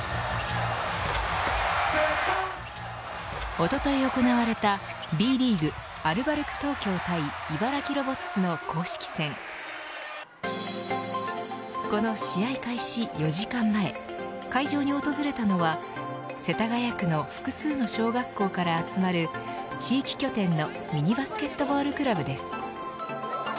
おととい行われたＢリーグ、アルバルク東京対茨城ロボッツの公式戦この試合開始４時間前会場に訪れたのは世田谷区の複数の小学校から集まる地域拠点のミニバスケットボールクラブです。